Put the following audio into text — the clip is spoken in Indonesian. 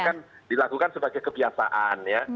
kan dilakukan sebagai kebiasaan ya